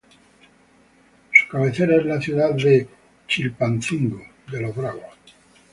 Su cabecera es la ciudad de Chilpancingo de los Bravo.